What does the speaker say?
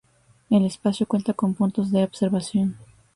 El espacio cuenta con puntos de observación.